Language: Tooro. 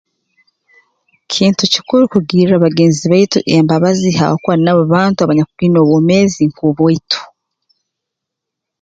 Kintu kikuru kugirra bagenzi baitu embabazi habwokuba nabo bantu abanyakwine obwomeezi nk'obwaitu